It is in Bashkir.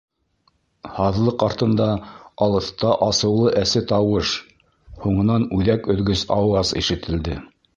Һаҙлыҡ артында, алыҫта асыулы әсе тауыш, һуңынан үҙәк өҙгөс ауаз ишетелде.